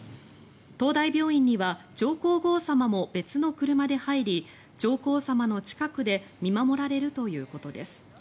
東大病院には上皇后さまも別の車で入り上皇さまの近くで見守られるということです。